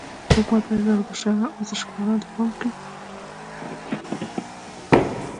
حکومت باید ورزشکارانو ته پام وکړي.